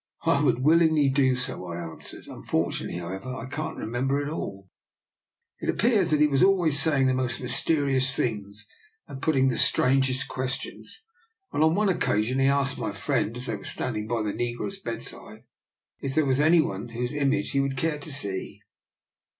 " I would willingly do so," I answered; "unfortunately, however, I can't remember it all. It appears that he was always saying the most mysterious things and putting the strangest questions. On one occasion he asked my friend, as they were standing by the negro's bedside, if there was any one whose image he would care to see?